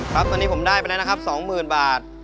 ครับวันนี้ผมได้ไปแล้วนะครับสองหมื่นบาท